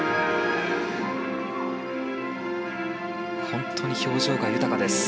本当に表情が豊かです。